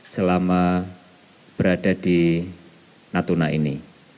selama berada di natuna ini